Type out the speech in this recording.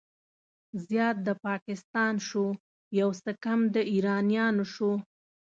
زيات د پاکستان شو، يو څه کم د ايرانيانو شو